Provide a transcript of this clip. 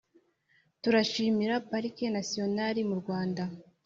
Turashimira Pariki Nasiyonali mu Rwanda